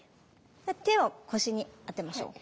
手を腰に当てましょう。